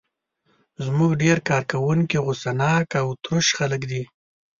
زموږ ډېر کارکوونکي غوسه ناک او تروش خلک دي.